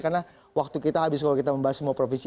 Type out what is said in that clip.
karena waktu kita habis kalau kita membahas semua provinsi